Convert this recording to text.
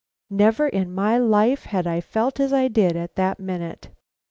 Never in my life had I felt as I did at that minute.